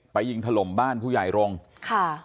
ยิงถล่มบ้านผู้ใหญ่รงค์ค่ะ